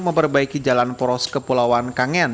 memperbaiki jalan poros kepulauan kangen